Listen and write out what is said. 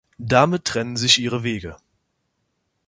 Damit trennen sich ihre Wege.